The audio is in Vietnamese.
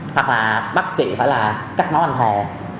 hoặc là bác chị phải là cắt máu anh thề